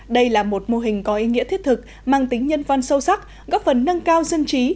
đây là một mô hình có ý nghĩa thiết thực mang tính nhân văn sâu sắc góp phần nâng cao dân trí